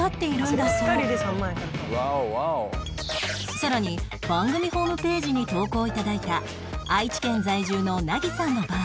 さらに番組ホームページに投稿頂いた愛知県在住のなぎさんの場合